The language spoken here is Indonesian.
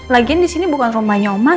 lagian disini bukan rumahnya om acan